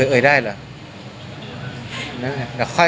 เอ่ยได้เหรอ